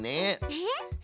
えっ？